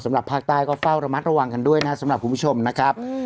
ภาคใต้ก็เฝ้าระมัดระวังกันด้วยนะสำหรับคุณผู้ชมนะครับ